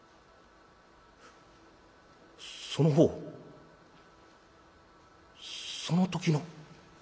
「その方その時の？」。